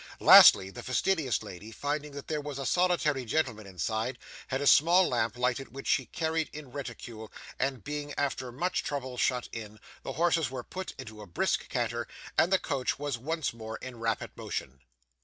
Lastly, the fastidious lady, finding there was a solitary gentleman inside, had a small lamp lighted which she carried in reticule, and being after much trouble shut in, the horses were put into a brisk canter and the coach was once more in rapid motion.